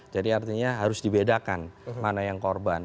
jadi artinya harus dibedakan mana yang korban